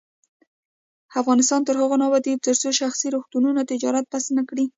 افغانستان تر هغو نه ابادیږي، ترڅو شخصي روغتونونه تجارت بس نکړي.